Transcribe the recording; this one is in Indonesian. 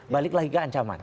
balik lagi ke ancaman